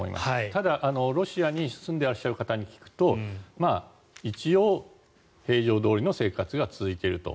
ただロシアに住んでいらっしゃる方に話を聞くと一応、平常どおりの生活が続いていると。